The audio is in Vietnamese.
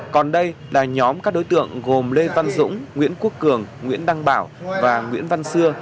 còn đây là nhóm các đối tượng gồm lê văn dũng nguyễn quốc cường nguyễn đăng bảo và nguyễn văn xưa